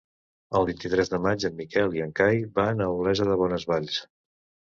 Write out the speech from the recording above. El vint-i-tres de maig en Miquel i en Cai van a Olesa de Bonesvalls.